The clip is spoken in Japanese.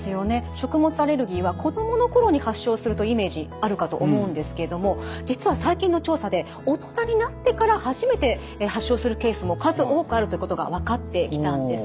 食物アレルギーは子どもの頃に発症するというイメージあるかと思うんですけども実は最近の調査で大人になってから初めて発症するケースも数多くあるということが分かってきたんです。